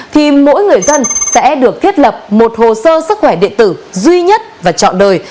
thì mỗi người dân sẽ được thiết lập một hồ sơ sức khỏe điện tử duy nhất và chọn đời